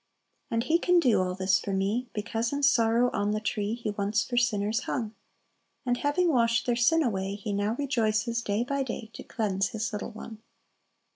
"And He can do all this for me, Because in sorrow, on the tree, He once for sinners hung; And, having washed their sin away, He now rejoices, day by day, To cleanse His little one."